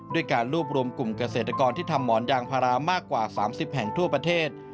ด้วยการรวบรวมกลุ่มเกษตรกรที่ทำหมอนยางพารามากกว่า๓๐แห่งทั่วประเทศ